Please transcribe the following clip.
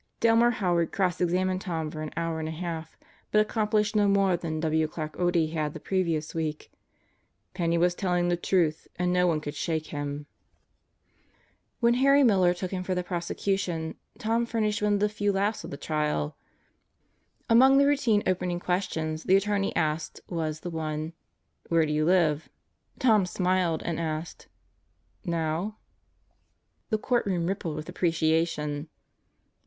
Delmer Howard cross examined Tom for an hour and a half, but accom plished no more than W. Clarke Otte had the previous week. Penney was telling the truth and no one could shake him. Sentenced to Birth 45 When Harry Miller took him for the prosecution, Tom furnished one of the few laughs of the trials. Among the routine opening questions the attorney asked was the one, "Where do you live?" Tom smiled and asked: "Now?" The courtroom rippled with appreciation.